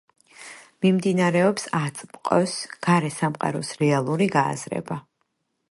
მიმდინარეობს აწმყოს – გარე სამყაროს რეალური გააზრება.